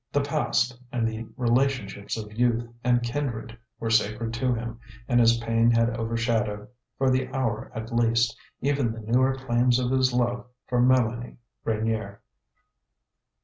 The past, and the relationships of youth and kindred were sacred to him, and his pain had overshadowed, for the hour at least, even the newer claims of his love for Mélanie Reynier.